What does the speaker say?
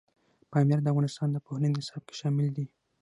پامیر د افغانستان د پوهنې نصاب کې شامل دي.